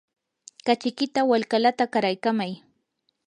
kachikita walkalata qaraykamay.